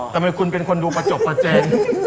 ทำไมคุณเป็นคนดูประจบประเจน